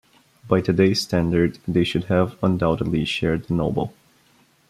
By today's standard, they should have undoubtedly shared the Nobel.